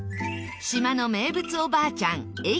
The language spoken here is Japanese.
島の名物おばあちゃんえ